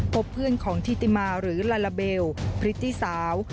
พบเพื่อนของทิติมาหรือลาลาเบลพริตตี้สาว